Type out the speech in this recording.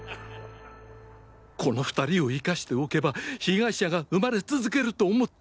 この２人を生かしておけば被害者が生まれ続けると思った！